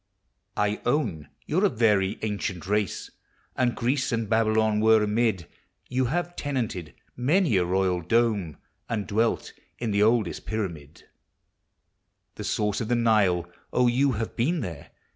I own you 're a very ancient race, And Greece and Babylon were amid; You have tenanted many a royal dome, And dwelt in the oldest pyramid; The source of the Nile!— 6, you have been there!